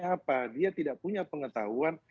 apa dia tidak punya pengetahuan